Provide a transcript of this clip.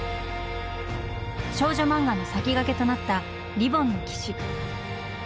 少女漫画の先駆けとなった「リボンの騎士」。